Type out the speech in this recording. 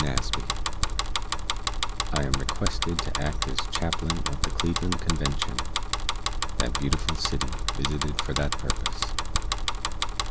NASBY I AM REQUESTED TO ACT AS CHAPLAIN OF THE CLEVELAND CONVENTION. THAT BEAUTIFUL CITY VISITED FOR THAT PURPOSE.